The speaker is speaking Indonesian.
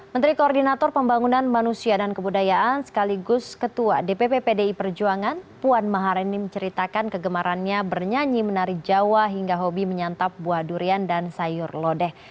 menteri koordinator pembangunan manusia dan kebudayaan sekaligus ketua dpp pdi perjuangan puan maharani menceritakan kegemarannya bernyanyi menari jawa hingga hobi menyantap buah durian dan sayur lodeh